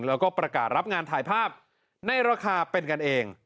แล้วก็ประกาศรับงานถ่ายภาพในราคาเป็นกันเอง